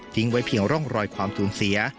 ไว้เพียงร่องรอยความสูญเสีย